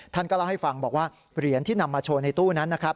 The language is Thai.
ท่านก็เล่าให้ฟังบอกว่าเหรียญที่นำมาโชว์ในตู้นั้นนะครับ